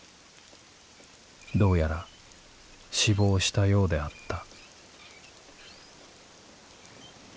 どうやら死亡したようであった」。